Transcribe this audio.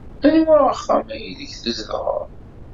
Anwa axxam aydeg tzedɣeḍ?